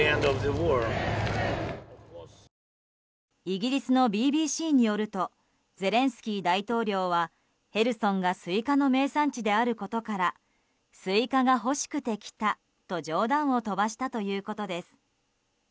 イギリスのＢＢＣによるとゼレンスキー大統領はヘルソンがスイカの名産地であることからスイカが欲しくて来たと冗談を飛ばしたということです。